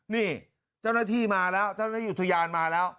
นี่เจ้าหน้าที่มาแล้วเจ้าหน้าที่อุทยานมาแล้ว